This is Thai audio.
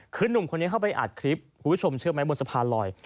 คือหนุ่มคนนี้เข้าไปอัดคลิปคุณผู้ชมเชื่อไหมบนสะพานลอย